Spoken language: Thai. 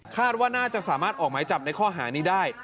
ว่าน่าจะสามารถออกหมายจับในข้อหานี้ได้